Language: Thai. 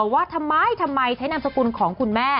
ว่าทำไมทำไมใช้นามสกุลของคุณแม่